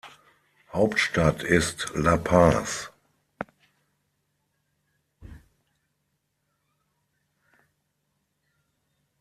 Hauptstadt ist La Paz.